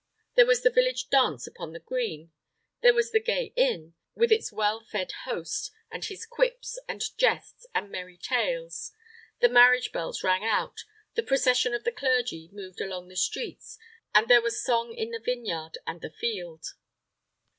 There was the village dance upon the green; there was the gay inn, with its well fed host, and his quips, and jests, and merry tales; the marriage bells rang out; the procession of the clergy moved along the streets, and there was song in the vineyard and the field.